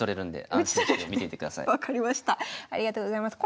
ありがとうございます。